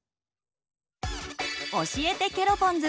教えてケロポンズ！